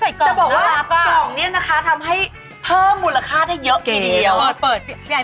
จะบอกว่ากล่องนี้นะคะทำให้เพิ่มมูลค่าได้เยอะทีเดียว